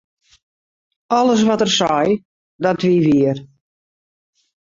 Alles wat er sei, dat wie wier.